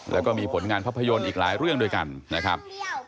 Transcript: แล้วก็มีผลงานภาพยนตร์อีกหลายเรื่องด้วยกันนะครับ